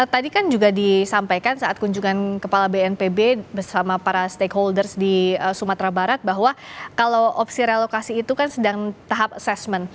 tadi kan juga disampaikan saat kunjungan kepala bnpb bersama para stakeholders di sumatera barat bahwa kalau opsi relokasi itu kan sedang tahap assessment